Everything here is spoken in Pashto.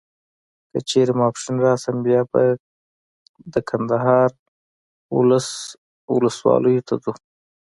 که چیري ماپښین راسم بیا به د کندهار و اولس ولسوالیو ته ځو.